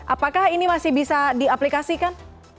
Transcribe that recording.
apakah ini masih bisa diaplikasikan